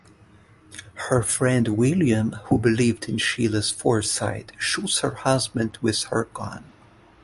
Her friend William, who believed in Sheila's foresight, shoots her husband with her gun.